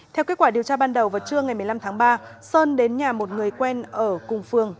theo kết quả điều tra ban đầu vào trưa ngày một mươi năm tháng ba sơn đến nhà một người quen ở cùng phường